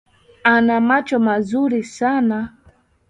Ana macho mazuri sana.